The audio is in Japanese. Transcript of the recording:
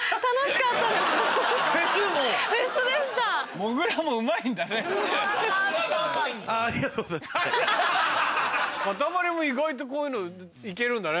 かたまりも意外とこういうの行けるんだね。